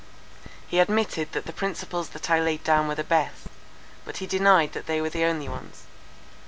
He admitted that the principles that I laid down were the best; but he denied that they were the only ones.